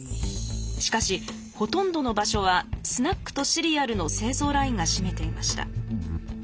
しかしほとんどの場所はスナックとシリアルの製造ラインが占めていました。